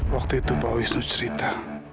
waktu itu pak wisnu cerita